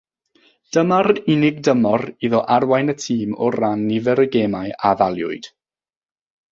Dyma'r unig dymor iddo arwain y tîm o ran nifer y gemau a ddaliwyd.